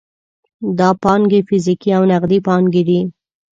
دا پانګې فزیکي او نغدي پانګې دي.